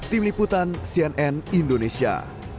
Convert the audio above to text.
tim liputan cnn indonesia